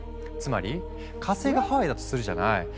つまり火星がハワイだとするじゃない？